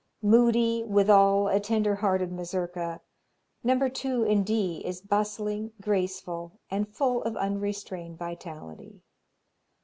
Moody, withal a tender hearted Mazurka. No. 2, in D, is bustling, graceful and full of unrestrained vitality.